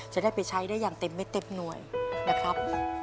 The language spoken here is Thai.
จะได้ไปใช้ได้อย่างเต็มไม่เต็มหน่วยนะครับ